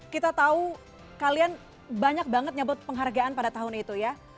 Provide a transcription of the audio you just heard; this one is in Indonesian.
kita tahu kalian banyak banget nyebut penghargaan pada tahun itu ya